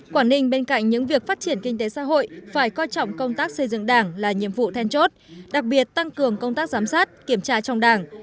quảng ninh bên cạnh những việc phát triển kinh tế xã hội phải coi trọng công tác xây dựng đảng là nhiệm vụ then chốt đặc biệt tăng cường công tác giám sát kiểm tra trong đảng